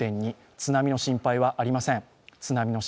津波の心配はありません。